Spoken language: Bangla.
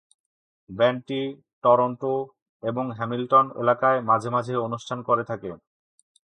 ব্যান্ডটি টরন্টো এবং হ্যামিল্টন এলাকায় মাঝে মাঝে অনুষ্ঠান করে থাকে।